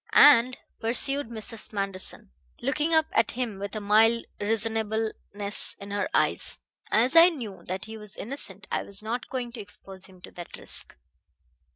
"And," pursued Mrs. Manderson, looking up at him with a mild reasonableness in her eyes, "as I knew that he was innocent I was not going to expose him to that risk."